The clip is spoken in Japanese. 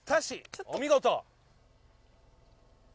お見事！